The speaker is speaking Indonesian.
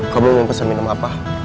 kau mau minta minum apa